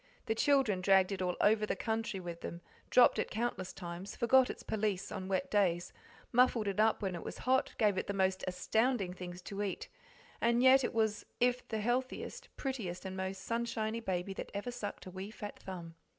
The children dragged it all over the country with them, dropped it countless times, forgot its pelisse on wet days, muffled it up when it was hot, gave it the most astounding things to eat, and yet it was the healthiest, prettiest, and most sunshiny baby that ever sucked a wee fat thumb.